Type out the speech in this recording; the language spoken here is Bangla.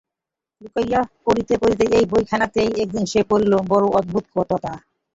লুকাইয়া পড়িতে পড়িতে এই বইখানিতেই একদিন সে পড়িল বড় অদ্ভুত কথোটা!